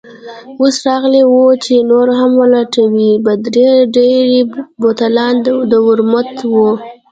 اوس راغلې وه چې نور هم ولټوي، ډېری بوتلان د ورموت وو.